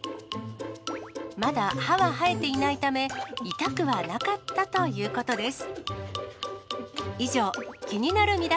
まだ歯ははえていないため、痛くはなかったということです。